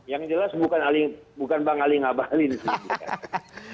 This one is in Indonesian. yang jelas bukan bang ali ngabalin sih